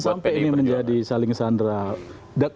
sampai ini menjadi saling sandera